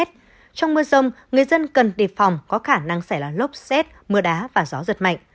trong mưa rông người dân cần đề phòng có khả năng xảy ra lốc xét mưa đá và gió giật mạnh